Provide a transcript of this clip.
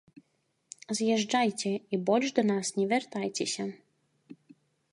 З'язджайце і больш да нас не вяртайцеся.